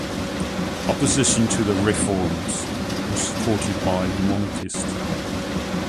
Opposition to the reforms was supported by the monarchists.